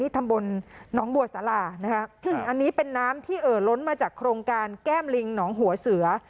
ตำบลหนองบัวสารานะคะอันนี้เป็นน้ำที่เอ่อล้นมาจากโครงการแก้มลิงหนองหัวเสือ